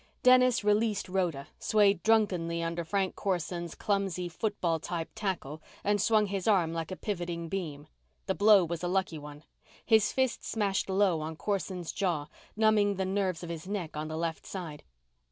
Dennis released Rhoda, swayed drunkenly under Frank Corson's clumsy football type tackle, and swung his arm like a pivoting beam. The blow was a lucky one. His fist smashed low on Corson's jaw, numbing the nerves of his neck on the left side.